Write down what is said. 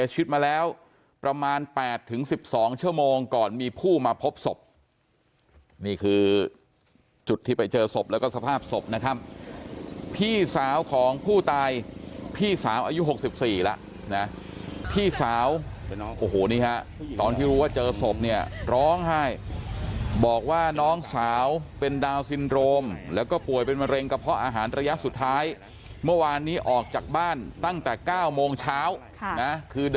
ชีวิตมาแล้วประมาณ๘๑๒ชั่วโมงก่อนมีผู้มาพบศพนี่คือจุดที่ไปเจอศพแล้วก็สภาพศพนะครับพี่สาวของผู้ตายพี่สาวอายุ๖๔แล้วนะพี่สาวโอ้โหนี่ฮะตอนที่รู้ว่าเจอศพเนี่ยร้องไห้บอกว่าน้องสาวเป็นดาวนซินโรมแล้วก็ป่วยเป็นมะเร็งกระเพาะอาหารระยะสุดท้ายเมื่อวานนี้ออกจากบ้านตั้งแต่๙โมงเช้าคือด